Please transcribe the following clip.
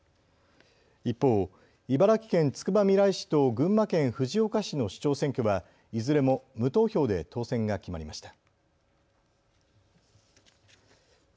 一方、茨城県つくばみらい市と群馬県藤岡市の市長選挙はいずれも無投票で当選が決まりました。